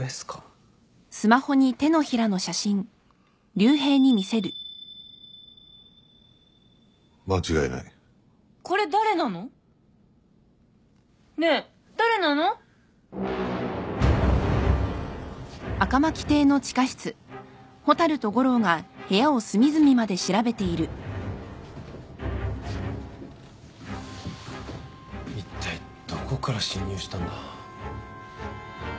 いったいどこから侵入したんだ？